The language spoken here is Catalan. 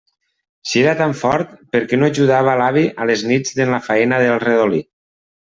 Si era tan fort, per què no ajudava l'avi a les nits en la faena del redolí?